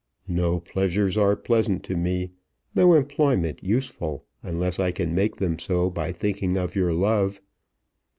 "No pleasures are pleasant to me, no employment useful, unless I can make them so by thinking of your love!"